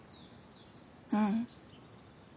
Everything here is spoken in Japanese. うん。